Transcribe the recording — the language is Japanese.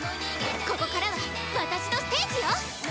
ここからは私のステージよ！